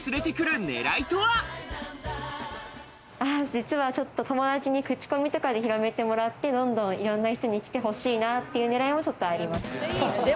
実はちょっと友達に口コミとかで広めてもらって、どんどんいろんな人に来て欲しいなっていう狙いもちょっとあります。